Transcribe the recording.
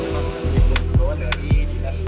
ini lagi di situ nih